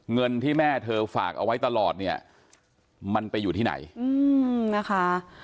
เงินที่แม่เธอฝากเอาไว้ตลอดเนี่ยมันไปอยู่ที่ไหนนะคะ